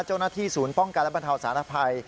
เจ้าหน้าที่ศูนย์ป้องกันและบรรเทาสารภัย